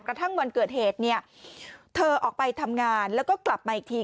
กระทั่งวันเกิดเหตุเนี่ยเธอออกไปทำงานแล้วก็กลับมาอีกที